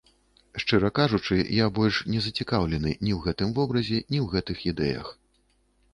Шчыра кажучы, я больш не зацікаўлены ні ў гэтым вобразе, ні ў гэтых ідэях.